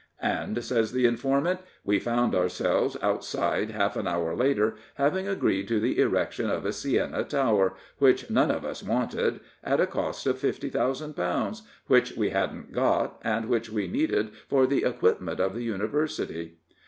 And, says the informant, we found our selves outside half an hour later, having agreed to the erection of a Siena tower which none of us wanted, at a cost of £50,000, which we hadn*t got, and which we needed for the equipment of the University.